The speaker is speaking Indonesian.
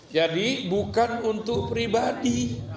jadi bukan untuk pribadi